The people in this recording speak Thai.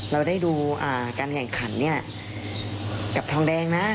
เราได้ดูการแข่งขันเนี่ยกับทองแดงนะ